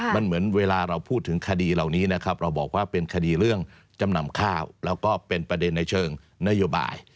มันเหมือนเวลาเราพูดถึงคดีเหล่านี้นะครับเราบอกว่าเป็นคดีเรื่องจำนำข้าวแล้วก็เป็นประเด็นในเชิงนโยบาย